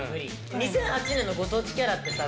２００８年のご当地キャラってさ